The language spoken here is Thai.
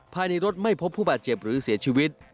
ภายในรถไม่พบผู้บาดเจ็บหรือเสียชีวิต